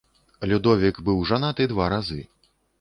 Людовік быў жанаты два разы.